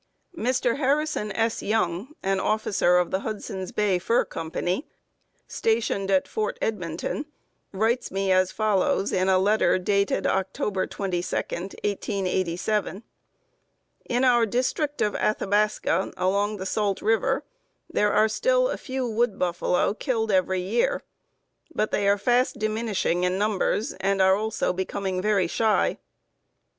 Mr. Harrison S. Young, an officer of the Hudson's Bay Fur Company, stationed at Fort Edmonton, writes me as follows in a letter dated October 22, 1887: "In our district of Athabasca, along the Salt River, there are still a few wood buffalo killed every year; but they are fast diminishing in numbers, and are also becoming very shy."